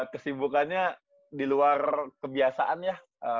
kesibukannya di luar kebiasaan ya